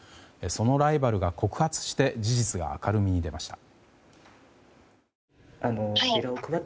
そのライバルが告発して事実が明るみに出ました。